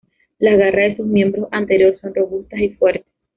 Las garras de sus miembros anterior son robustas y fuertes.